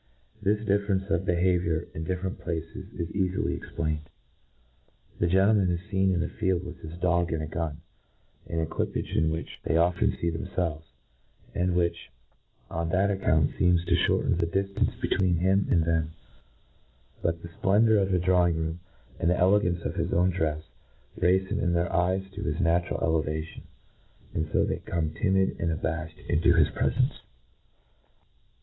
This difference of behaviour in different placeij is ea? fily explained. The gentleman is feen in the field with his dog and a gun — an equipage in which they often fee themfelyes, and which, on (that account, fcems to Ihorten the diftance be? twecn him and them j but the fplendour of the drawing room, and the elegance of his own drefs, raife him in their eyes to his natural elevation^ 2tnd to they come timid and abafhcd intp |iis pre^ fence.